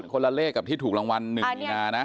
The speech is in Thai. คนละเลขกับที่ถูกรางวัล๑มีนานะ